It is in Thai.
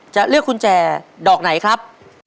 จะเลือกกุญแจดอกไหนครับ